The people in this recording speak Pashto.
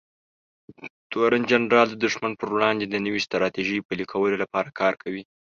تورن جنرال د دښمن پر وړاندې د نوې ستراتیژۍ پلي کولو لپاره کار کوي.